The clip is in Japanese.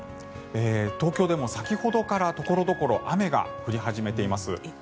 東京でも先ほどから所々雨が降り始めています。